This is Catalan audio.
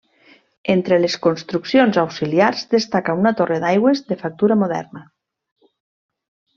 Entre les construccions auxiliars destaca una torre d'aigües de factura moderna.